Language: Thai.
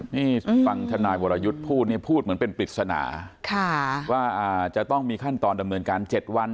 นี่ฟังธนายวรยุทธ์พูดนี่พูดเหมือนเป็นปริศนาว่าจะต้องมีขั้นตอนดำเนินการ๗วัน